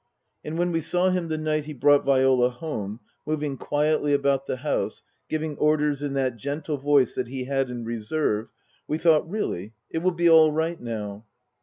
And when we saw him the night he brought Viola home, moving quietly about the house, giving orders in that gentle voice that he had in reserve, we thought, Really, it will be all right now.